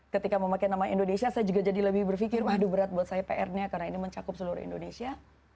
ketika memakai nama indonesia saya juga jadi lebih berpikir waduh berat buat saya pr nya karena ini mencakup seluruh indonesia